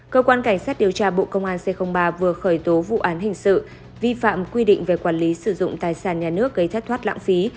cơ quan cảnh sát điều tra bộ công an c ba vừa khởi tố vụ án hình sự vi phạm quy định về quản lý sử dụng tài sản nhà nước gây thất thoát lãng phí